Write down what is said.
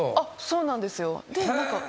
そうなんですよ。